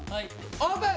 オープン！